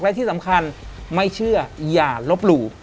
และที่สำคัญไม่เชื่ออย่าลบหลู่